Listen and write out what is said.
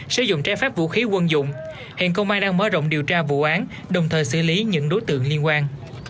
sử dụng trái phép vũ khí quân dụng hiện công an đang mở rộng điều tra vụ án đồng thời xử lý những đối tượng liên quan